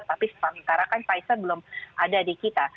jadi sementara kan pfizer belum ada di kita